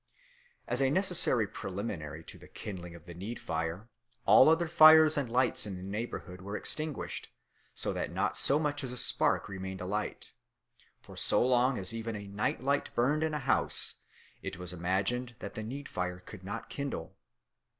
As a necessary preliminary to the kindling of the need fire all other fires and lights in the neighbourhood were extinguished, so that not so much as a spark remained alight; for so long as even a night light burned in a house, it was imagined that the need fire could not kindle.